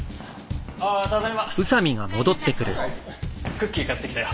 クッキー買ってきたよ。